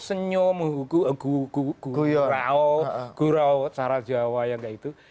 senyum rau gurau cara jawa yang kayak itu